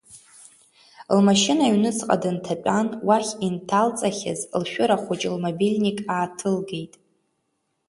Лмашьына аҩныҵҟа дынҭатәан, уахь инҭалҵахьаз лшәыра хәыҷы лмобильник ааҭылгеит.